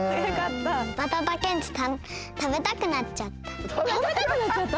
バタタ・ケンチたべたくなっちゃった。